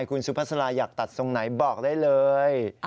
คุณสุภาษาลาอยากตัดตรงไหนบอกได้เลย